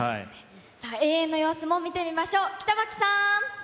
遠泳の様子も見てみましょう。